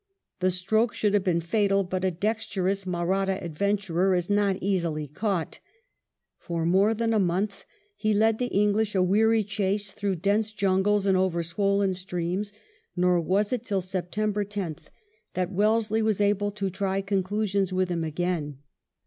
The stroke should have been fatal, but a dexterous Mahratta adventurer is not easily caught. For more than a month he led the English a weary chase through dense jungles and over swollen streams, nor was it till September 10th that Wellesley II DEATH OF THE FREEBOOTER 53 was able to try conclusions with him again.